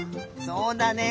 そうだね。